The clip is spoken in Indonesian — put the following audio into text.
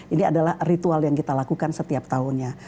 ini adalah ritual yang kita lakukan setiap tahunnya